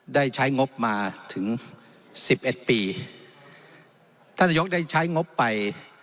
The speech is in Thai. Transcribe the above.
ได้ใช้งบมาถึงสิบเอ็ดปีท่านนายกได้ใช้งบไป